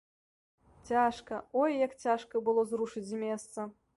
Цяжка, ой як цяжка было зрушыць з месца!